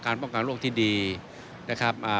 ป้องกันโรคที่ดีนะครับ